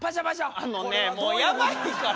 あのねもうやばいから！